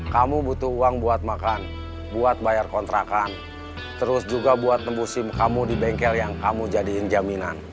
kamu butuh uang buat makan buat bayar kontrakan terus juga buat nembu sim kamu di bengkel yang kamu jadiin jaminan